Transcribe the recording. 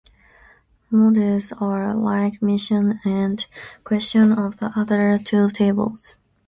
Modes are like missions and quests of the other two tables.